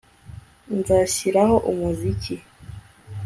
Nzashyiraho umuziki